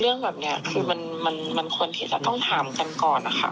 เรื่องแบบนี้คือมันควรที่จะต้องถามกันก่อนนะคะ